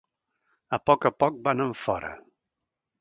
A poc a poc van enfora.